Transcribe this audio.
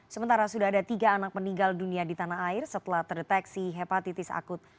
sementara sudah ada tiga anak meninggal dunia di tanah air setelah terdeteksi hepatitis akut